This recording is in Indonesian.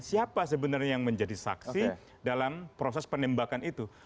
siapa sebenarnya yang menjadi saksi dalam proses penembakan itu